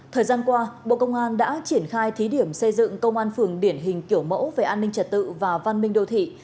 thời gian qua bộ công an đã triển khai thí điểm xây dựng công an phường điển hình kiểu mẫu về an ninh trật tự và văn minh đô thị